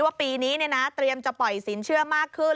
ว่าปีนี้เตรียมจะปล่อยสินเชื่อมากขึ้น